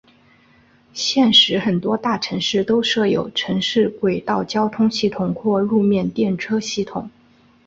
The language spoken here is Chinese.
现时很多大城市都设有城市轨道交通系统或路面电车系统。